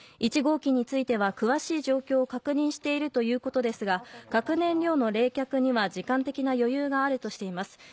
１号機については詳しい状況を確認しているということですが核燃料の冷却には時間的な余裕があるとしています。